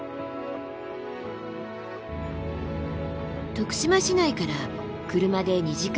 徳島市内から車で２時間余り。